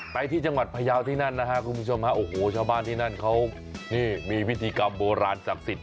ไปที่จังหวัดพยาวที่นั่นนะครับคุณผู้ชมฮะโอ้โหชาวบ้านที่นั่นเขานี่มีพิธีกรรมโบราณศักดิ์สิทธิ